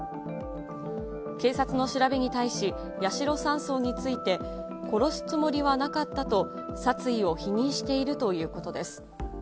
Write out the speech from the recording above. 警察の調べに対し、八代３曹について殺すつもりはなかったと、殺意を否認しているということです。